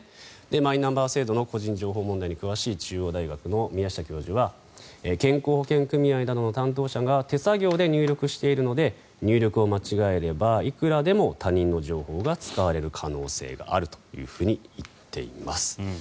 マイナンバー制度の個人情報問題に詳しい中央大学の宮下教授は健康保険組合などの担当者が手作業で入力しているので入力を間違えればいくらでも他人の情報が使われる可能性があると言っています。